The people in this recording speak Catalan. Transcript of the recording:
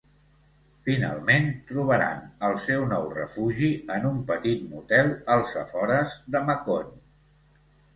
Finalment, trobaran el seu nou refugi en un petit motel als afores de Macon.